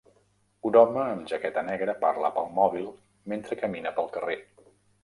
Un home amb jaqueta negra parla pel mòbil mentre camina pel carrer.